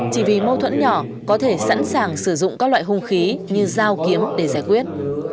chỉ vì mâu thuẫn nhỏ có thể sẵn sàng sử dụng các loại hung khí như dao kiếm để giải quyết